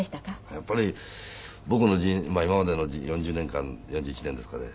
やっぱり僕の今までの４０年間４１年ですかね。